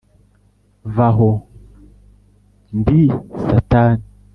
“Va aho ndi Satani